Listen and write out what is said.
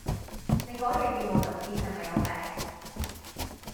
你講野語無倫次係咪有病